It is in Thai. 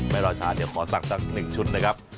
ไปรอชาติเดี๋ยวขอสั่งจาก๑ชุดเลยครับ